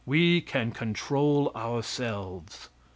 We can control ourselves.